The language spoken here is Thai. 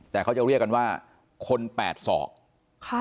แต่เขาจะเรียกว่าคน๘ศอก